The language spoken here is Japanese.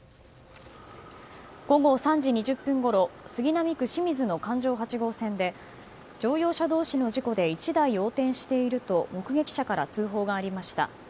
午後３時２０分ごろ杉並区清水の環状８号線で乗用車同士の事故で１台横転していると目撃者から通報がありました。